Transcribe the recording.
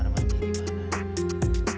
siapa yang punya ya